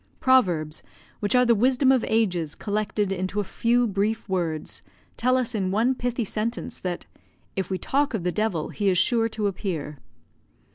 Proverbs, which are the wisdom of ages collected into a few brief words, tell us in one pithy sentence that "if we talk of the devil he is sure to appear."